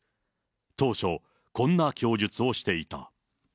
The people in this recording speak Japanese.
当初、こんな供述をしていた。